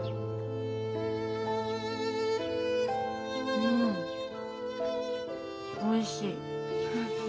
うんおいしい。